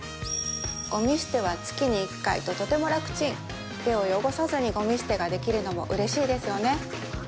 ゴミ捨ては月に１回ととても楽ちん手を汚さずにゴミ捨てができるのも嬉しいですよね